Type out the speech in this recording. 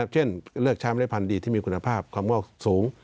เช่นเลือกใช้เมล็ดพันธุ์ดีที่มีคุณภาพความงอกสูง